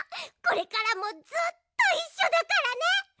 これからもずっといっしょだからね！